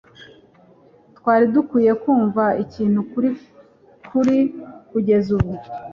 Twari dukwiye kumva ikintu kuri kugeza ubu.